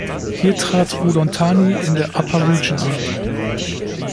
Hier trat Udon Thani in der Upper Region an.